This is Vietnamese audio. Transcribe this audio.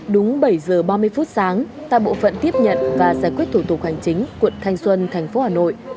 đúng bảy giờ ba mươi phút sáng tại bộ phận tiếp nhận và giải quyết thủ tục hành chính quận thanh xuân thành phố hà nội